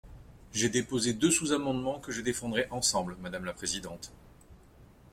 J’ai déposé deux sous-amendements que je défendrai ensemble, madame la présidente.